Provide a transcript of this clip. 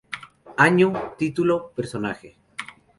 Año|| Título|| Personaje